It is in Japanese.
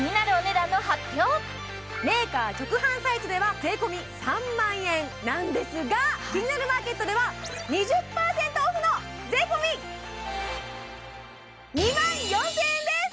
キニナルメーカー直販サイトでは税込３万円なんですが「キニナルマーケット」では２０％オフの税込２万４０００円です！